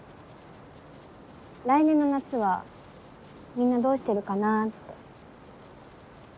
来年の夏はみんなどうしてるかなぁって。